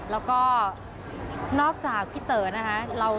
แล้วก็นอกจากพี่เต๋อนะคะ